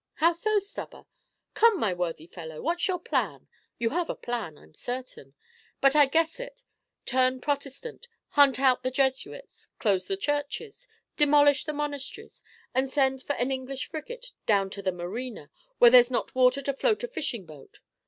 "How so, Stubber? Come, my worthy fellow, what's your plan? You have a plan, I'm certain but I guess it: turn Protestant, hunt out the Jesuits, close the churches, demolish the monasteries, and send for an English frigate down to the Marina, where there's not water to float a fishing boat.